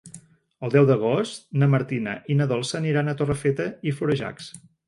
El deu d'agost na Martina i na Dolça aniran a Torrefeta i Florejacs.